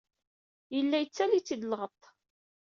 Yella yettaley-itt-id lɣeṭṭ.